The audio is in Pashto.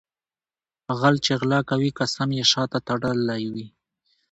غل چې غلا کوي قسم یې شاته تړلی وي.